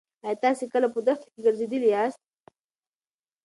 ایا تاسې کله په دښته کې ګرځېدلي یاست؟